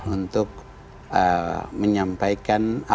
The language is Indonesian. untuk menyampaikan apa yang akan saya lakukan